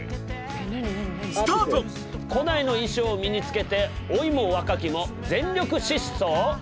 古代の衣装を身につけて老いも若きも全力疾走？